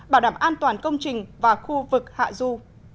bảo đảm an toàn công trình và khu vực hạ du